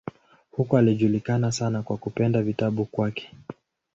Huko alijulikana sana kwa kupenda vitabu kwake.